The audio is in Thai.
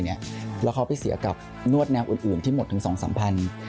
แล้วเขาไปเสียกับนวดแนวอื่นที่หมดถึง๒๓พัน